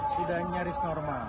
sudah nyaris normal